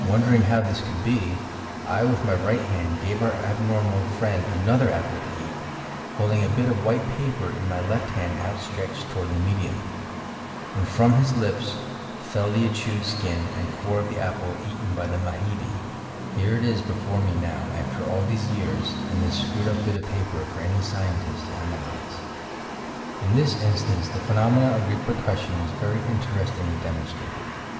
Won dering how this could be I with my right hand gave our abnorn^ (I) friend another apple to eat, holding a bit of white paper in my left hand outstretched toward the medium, when from his lips fell the chewed skin and core of the apple eaten by the Mahedi ; here it is before me now after all these years in this screwed up bit o£ paper for any scientist to analyse," In this instance the phenomena of repercussion was very interestingly demonstrated.